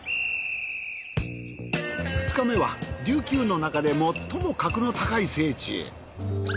２日目は琉球の中で最も格の高い聖地へ。